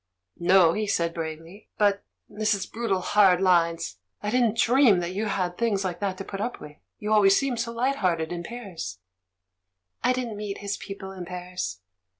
"Xo," he said, bravely. "But — but this is brutal hard lines — I didn't dream that you had things hke that to put up with! You always seemed so lighthearted in Paris." "I didn't meet his people in Paris.